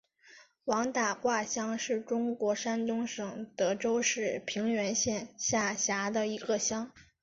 王打卦乡是中国山东省德州市平原县下辖的一个乡。